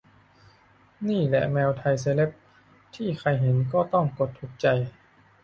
นี่แหละแมวไทยเซเลบ ที่ใครเห็นก็ต้องกดถูกใจ